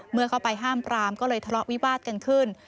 เมื่อเข้าไปห้ามปรามก็เลยทะเลาะวิวาดกันขึ้น